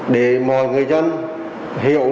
để mọi người dân có thể đối xử với các ban ngành tuyên truyền